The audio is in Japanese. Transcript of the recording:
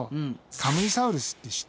カムイサウルスって知ってる？